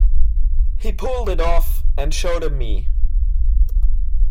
He pulled it off and showed 'em me.